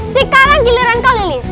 sekarang giliran kau lilis